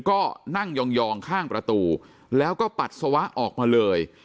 ก็นั่งยองข้างประตูแล้วก็ปัสสาวะออกมาเลย